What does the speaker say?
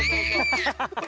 ハハハハ！